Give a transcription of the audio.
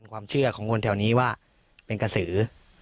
ความเชื่อของคนแถวนี้ว่าเป็นกระสือ